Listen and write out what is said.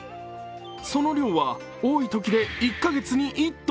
その量は多いときで１カ月に１ｔ。